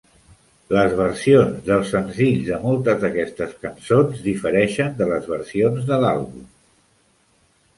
Les versions dels senzills de moltes d'aquestes cançons difereixen de les versions de l'àlbum.